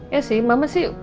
ya sih mama sih